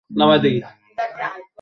তখনই ঘরের হাওয়া থেকে নেশা ছুটে গেল।